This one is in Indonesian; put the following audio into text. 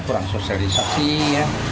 kurang sosialisasi ya